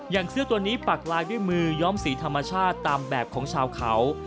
เสื้อตัวนี้ปักลายด้วยมือย้อมสีธรรมชาติตามแบบของชาวเขา